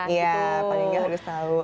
iya paling nggak harus tahu